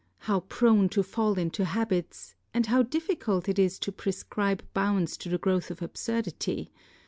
How prone to fall into habits, and how difficult it is to prescribe bounds to the growth of absurdity!